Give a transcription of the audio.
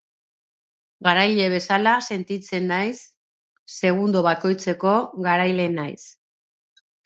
Garaile bezala sentitzen naiz! Segundo bakoitzeko, garaile naiz.